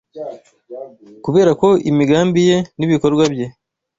Kubera ko imigambi ye n’ibikorwa bye